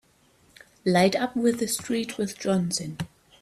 Light up with the street with Johnson!